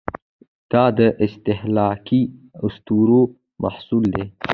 دا د استهلاکي اسطورو محصول دی.